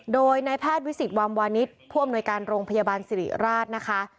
โดยในแพทย์วิสิตวามวานิสผู้อำนวยการโรงพยาบาลสิริราชนะคะ